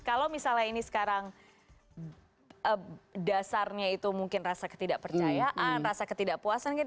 kalau misalnya ini sekarang dasarnya itu mungkin rasa ketidakpercayaan rasa ketidakpuasan